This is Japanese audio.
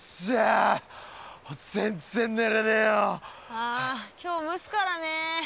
ああ今日蒸すからね。